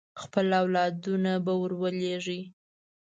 خپل اولادونه به ور ولېږي.